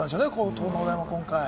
東京農大は今回。